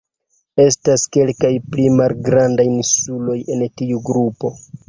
Estas kelkaj pli malgrandaj insuloj en tiu grupo.